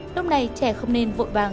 lúc này trẻ không nên vội vàng